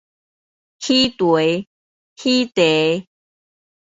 喜題